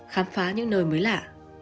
khám phá những nơi mới lạ